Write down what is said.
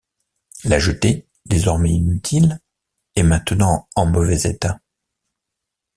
La jetée, désormais inutile, est maintenant en mauvais état.